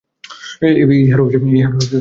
এই হাড় অবশ্যই মানুষের না।